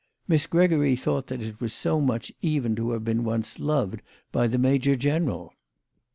Miss Gregory thought that it was much even to have been once loved by the major general.